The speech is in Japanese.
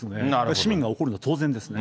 市民が怒るの当然ですね。